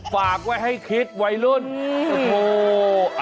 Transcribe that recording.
ฝากไว้ให้คริสวัยรุ่นอือ